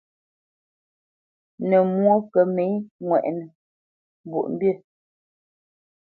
Nə̌ mwó kə mə̌ ŋwɛʼnə Mbwoʼmbî.